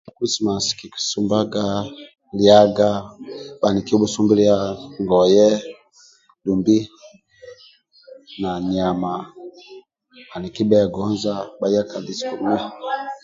Kulisimasi kikisumbaga liaga bhaniki kibhusumbulia ngoye dumbi na nyama bhaniki bhegonza bhaya ka kisomo